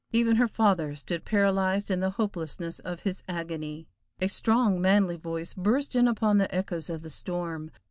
Even her father stood paralyzed in the hopelessness of his agony. A strong, manly voice burst in upon the echoes of the storm.